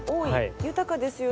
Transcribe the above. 豊かですよね。